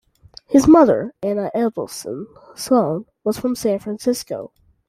His mother, Anna Adelson Slone, was from San Francisco.